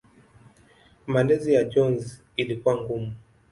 Malezi ya Jones ilikuwa ngumu.